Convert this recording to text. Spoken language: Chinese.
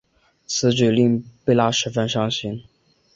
此举令贝拉十分伤心。